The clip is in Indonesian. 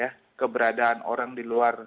jadi itu tergantung keperluan orang di luar negara